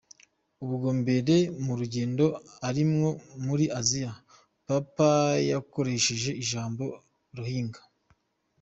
Ubwa mbere mu rugendo arimwo muri Asia, Papa yakoresheje ijambo 'Rohingya'.